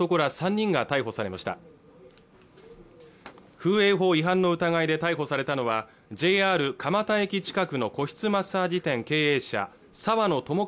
風営法違反の疑いで逮捕されたのはＪＲ蒲田駅近くの個室マッサージ店経営者沢野智一